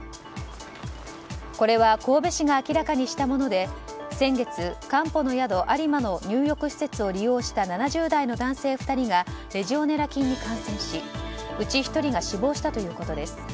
これは神戸市が明らかにしたもので先月、かんぽの宿有馬の入浴施設を利用した７０代の男性２人がレジネオラ菌に感染しうち１人が死亡したということです。